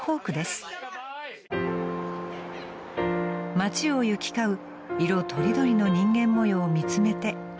［街を行き交う色とりどりの人間模様を見つめて半世紀］